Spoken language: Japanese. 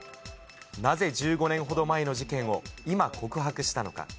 なぜ１５年ほど前の事件を今告白したのか。